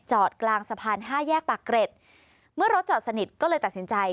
กลางสะพานห้าแยกปากเกร็ดเมื่อรถจอดสนิทก็เลยตัดสินใจ